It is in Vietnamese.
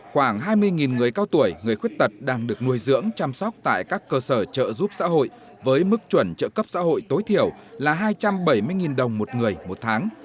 khoảng hai mươi người cao tuổi người khuyết tật đang được nuôi dưỡng chăm sóc tại các cơ sở trợ giúp xã hội với mức chuẩn trợ cấp xã hội tối thiểu là hai trăm bảy mươi đồng một người một tháng